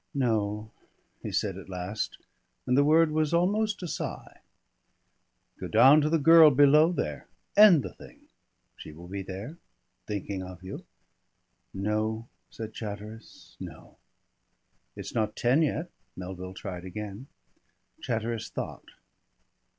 "No," he said at last, and the word was almost a sigh. "Go down to the girl below there. End the thing. She will be there, thinking of you " "No," said Chatteris, "no." "It's not ten yet," Melville tried again. Chatteris thought.